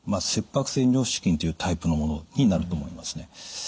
切迫性尿失禁というタイプのものになると思いますね。